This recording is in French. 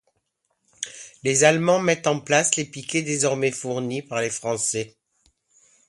Les Allemands mettent en place les piquets désormais fournis par les Français.